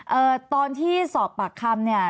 เอ่อตอนที่สอบปากคำเนี่ย